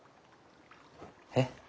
えっ？